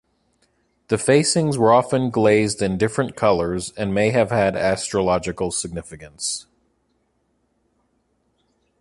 The facings were often glazed in different colors and may have had astrological significance.